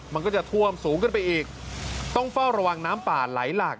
มันก็จะท่วมสูงขึ้นไปอีกต้องเฝ้าระวังน้ำป่าไหลหลาก